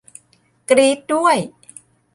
กรี๊ดด้วย !